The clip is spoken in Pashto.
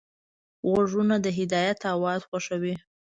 غوږونه د هدایت اواز خوښوي